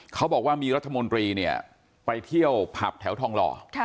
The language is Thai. เขาบอกว่ามีรัฐมนตรีเนี่ยไปเที่ยวผับแถวทองหล่อ